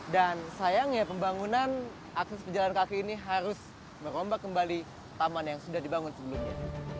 dan sayangnya pembangunan akses pejalan kaki ini harus merombak kembali taman yang sudah dibangun sebelumnya